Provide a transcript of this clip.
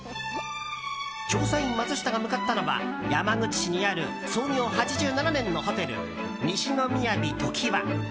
調査員マツシタが向かったのは山口市にある創業８７年のホテル西の雅常盤。